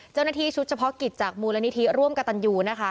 เจ้าหน้าที่ชุดเฉพาะกิจจากมูลนิธิร่วมกับตันยูนะคะ